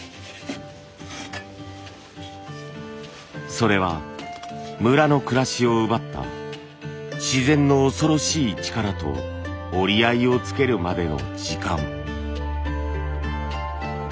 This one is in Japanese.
それは村の暮らしを奪った自然の恐ろしい力と折り合いをつけるまでの時間。